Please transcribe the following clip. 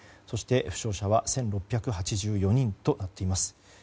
そして負傷者は１６８４人となっています。